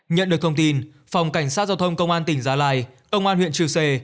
nhận được thông tin phòng cảnh sát giao thông công an tỉnh gia lai công an huyện chư sê